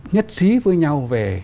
nhất trí với nhau về